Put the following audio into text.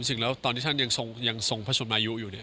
จริงแล้วตอนที่ท่านยังทรงพระสุมายุอยู่เนี่ย